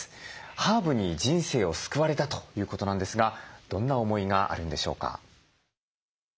ハーブに人生を救われたということなんですがどんな思いがあるんでしょうか？